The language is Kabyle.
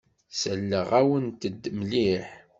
Selleɣ-awent-d mliḥ.